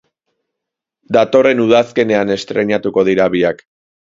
Datorren udazkenean estreinatuko dira biak.